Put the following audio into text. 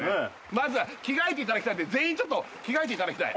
まずは着替えていただきたいので全員着替えていただきたい